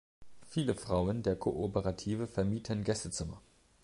Viele Frauen der Kooperative vermieten Gästezimmer.